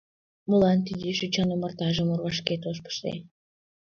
Молан тиде шӱчан омартажым орвашкет от пыште?